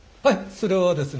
それはですね。